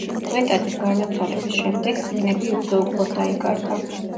გვეტაძის გარდაცვალების შემდეგ წიგნები უგზო-უკვლოდ დაიკარგა.